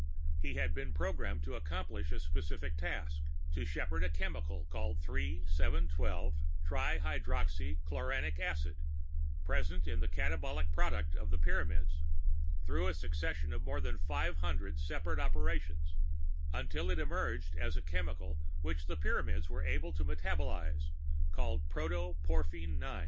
He had been programmed to accomplish a specific task to shepherd a chemical called 3, 7, 12 trihydroxycholanic acid, present in the catabolic product of the Pyramids, through a succession of more than five hundred separate operations until it emerged as the chemical, which the Pyramids were able to metabolize, called Protoporphin IX.